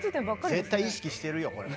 絶対意識してるよこれ。